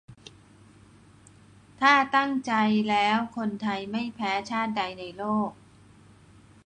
ถ้าตั้งใจแล้ว คนไทย ไม่แพ้ชาติใดในโลก !